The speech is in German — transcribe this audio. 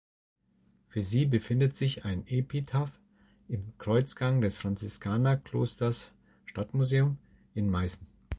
Für sie befindet sich ein Epitaph im Kreuzgang des Franziskanerklosters (Stadtmuseum) in Meißen.